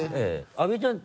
阿部ちゃん